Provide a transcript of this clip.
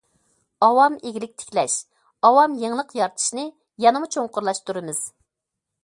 ئاۋام ئىگىلىك تىكلەش، ئاۋام يېڭىلىق يارىتىشنى يەنىمۇ چوڭقۇرلاشتۇرىمىز.